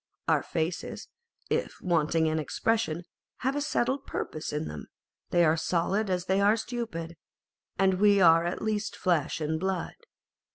Our faces, if wanting in expression, have a settled purpose in them ; are as solid as they are stupid ; and we are at least flesh and blood.